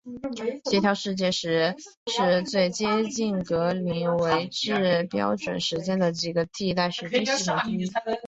协调世界时是最接近格林威治标准时间的几个替代时间系统之一。